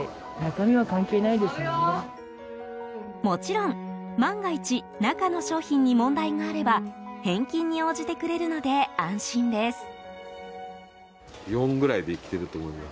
もちろん、万が一中の商品に問題があれば返金に応じてくれるので安心です。